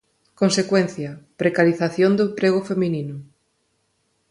Consecuencia: precarización do emprego feminino.